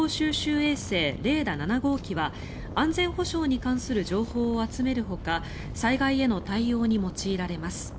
衛星レーダ７号機は安全保障に関する情報を集めるほか災害への対応に用いられます。